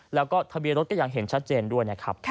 แล้วก็ทะเบียรถก็ยังเจนชัดเจนด้วย